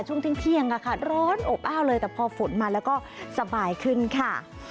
ช่วงเที่ยงร้อนอบอ้าวเลยแต่พอฝนมาแล้วก็สบายขึ้นค่ะ